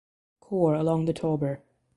Corps along the Tauber.